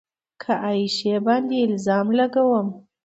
که عایشې باندې الزام لګوم